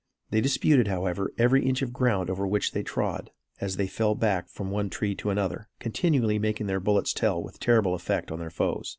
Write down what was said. They disputed, however, every inch of ground over which they trod, as they fell back from one tree to another, continually making their bullets tell with terrible effect on their foes.